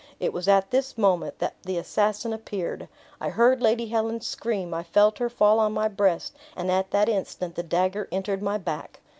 It was at this moment that the assassin appeared. I heard Lady Helen scream, I felt her fall on my breast, and at that instant the dagger entered my back.